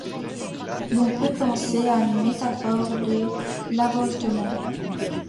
L'on peut penser à une métaphore de l'avortement.